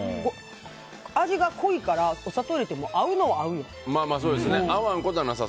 味が濃いからお砂糖を入れても合うのは合うよ。